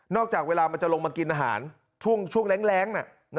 จากเวลามันจะลงมากินอาหารช่วงแรง